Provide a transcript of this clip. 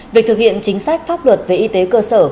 việc thực hiện chính sách pháp luật về y tế cơ sở